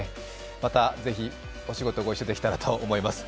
また、ぜひお仕事ご一緒できたらと思います。